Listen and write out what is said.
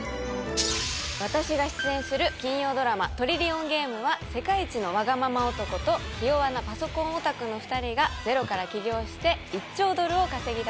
私が出演する金曜ドラマ「トリリオンゲーム」は世界一のわがまま男と気弱なパソコンオタクの２人がゼロから起業して１兆ドルを稼ぎだす